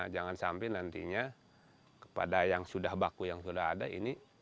jangan sampai nantinya kepada yang sudah baku yang sudah ada ini